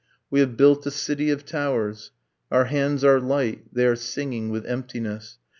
We have built a city of towers. Our hands are light, they are singing with emptiness.